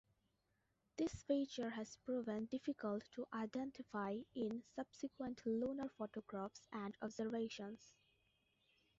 This feature has proven difficult to identify in subsequent lunar photographs and observations.